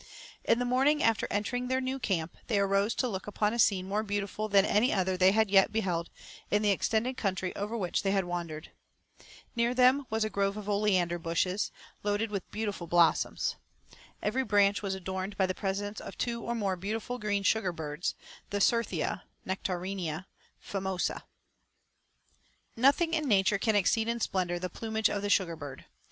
In the morning after entering their new camp, they arose to look upon a scene more beautiful than any other they had yet beheld in the extended country over which they had wandered. Near them was a grove of oleander bushes, loaded with beautiful blossoms. Every branch was adorned by the presence of two or more beautiful green sugar birds, the certhia (Nectarinia) famosa. Nothing in nature can exceed in splendour the plumage of the sugar bird.